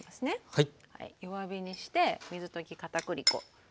はい。